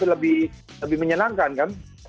lebih lebih menyenangkan kan